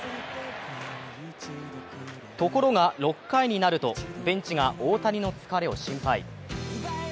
ところが６回になるとベンチが大谷の疲れを心配。